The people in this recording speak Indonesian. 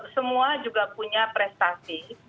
semua juga punya prestasi